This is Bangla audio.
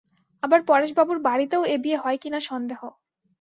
আবার পরেশবাবুর বাড়িতেও এ বিয়ে হয় কি না সন্দেহ।